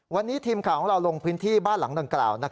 วันนี้ทีมข่าวของเราลงพื้นที่บ้านหลังดังกล่าว